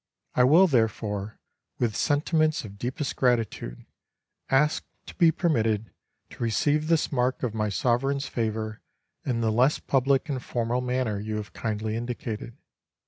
I will, therefore, with sentiments of deepest gratitude ask to be permitted to receive this mark of my Sovereign's favor in the less public and formal manner you have kindly indicated.